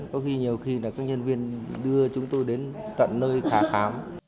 có khi nhiều khi là các nhân viên đưa chúng tôi đến tận nơi khả khám